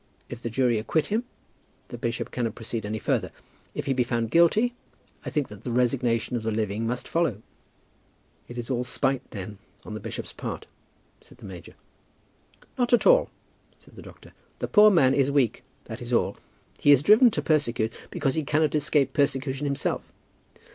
If the jury acquit him, the bishop cannot proceed any further. If he be found guilty I think that the resignation of the living must follow." "It is all spite, then, on the bishop's part?" said the major. "Not at all," said the doctor. "The poor man is weak; that is all. He is driven to persecute because he cannot escape persecution himself.